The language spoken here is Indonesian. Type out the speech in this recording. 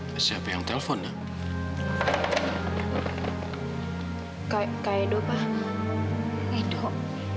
kasian anak ya pak